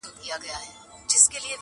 اوس بقا د ژوند په دوو ژبو نغښتې.